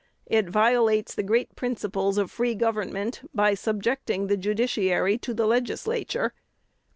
It violates the great principles of free government by subjecting the judiciary to the Legislature.